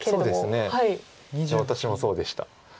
私もそうでした。